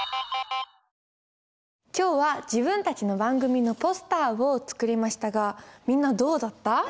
今日は自分たちの番組のポスターを作りましたがみんなどうだった？